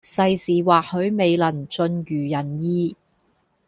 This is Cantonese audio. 世事或許未能盡如人意